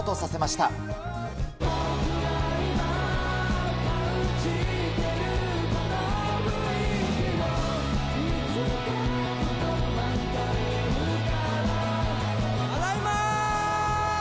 ただいま！